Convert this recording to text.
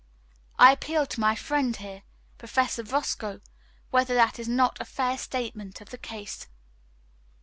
I appeal to my friend here (Professor Roscoe) whether that is not a fair statement of the case.